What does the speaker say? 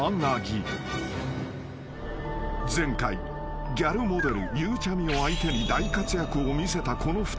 ［前回ギャルモデルゆうちゃみを相手に大活躍を見せたこの２人］